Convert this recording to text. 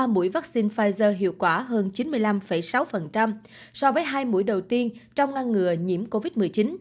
ba mũi vaccine pfizer hiệu quả hơn chín mươi năm sáu so với hai mũi đầu tiên trong ngăn ngừa nhiễm covid một mươi chín